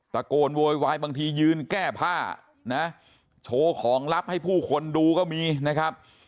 โวยวายบางทียืนแก้ผ้านะโชว์ของลับให้ผู้คนดูก็มีนะครับ